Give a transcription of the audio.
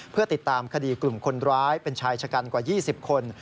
เพื่อติดตามคดีกลุ่มคนร้ายเป็นชายชะกันกว่า๒๐คน